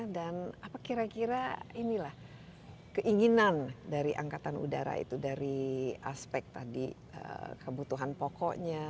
dan apa kira kira keinginan dari angkatan udara itu dari aspek tadi kebutuhan pokoknya